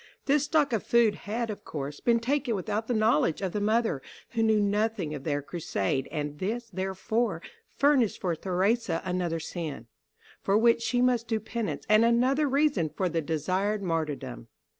This stock of food had, of course, been taken without the knowledge of the mother, who knew nothing of their crusade, and this, therefore, furnished for Theresa another sin, for which she must do penance, and another reason for the desired martyrdom.